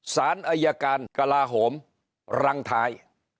สารอายการกลาโหมรังท้าย